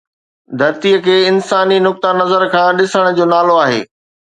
ڌرتيءَ کي انساني نقطه نظر کان ڏسڻ جو نالو آهي